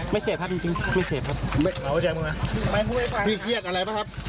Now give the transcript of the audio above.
ไม่เสพครับจริงจริงไม่เสพครับพี่เครียดอะไรปะครับ